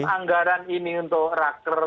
anggaran ini untuk raker